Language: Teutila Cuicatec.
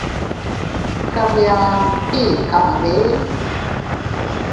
Kabianne, ¿tii kaʼde?.